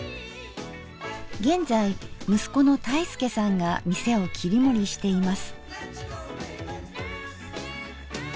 現在息子の泰右さんが店を切り盛りしています。